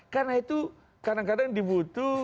karena itu kadang kadang dibutuh